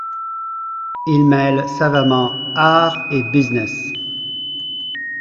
Ils mêlent savamment art et business.